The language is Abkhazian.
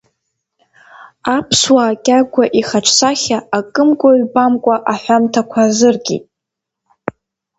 Аԥсуаа Кьагәа ихаҿсахьа акымкәа-ҩбамкәа аҳәамҭақәа азыркит.